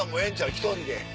１人で。